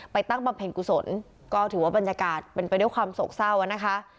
ไปตั้งปัสเพลงขุศลก็ถือว่าบรรจากาศเป็นประเด็นความโศกเศร้องวะค่ะ